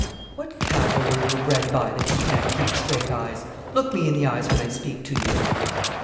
What cattle were you bred by, that you can't keep straight eyes? Look me in the eyes when I speak to you.